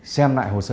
xem lại hồ sơ